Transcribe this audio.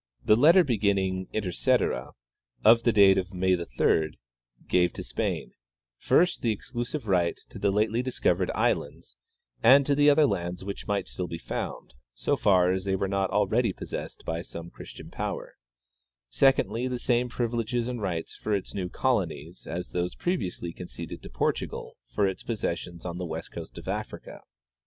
" The letter beginning ' inter cetera,' of the date of May 3, gave to Spain : First, the exclusive right to the lately discovered islands and to the other lands which might still be found, so far as they were not already possiessed by some Christian power; secondly, the same privileges and rights for its new colonies as those previously conceded to Portugal for its possessions on the Tlie Demarcation Line. 203 west coast of Africa.